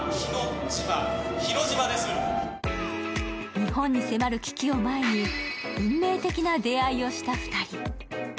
日本に迫る危機を前に、運命的な出会いをした２人。